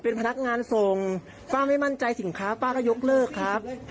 นั่นคือไม่บอกสินค้าเคยเลี่ยง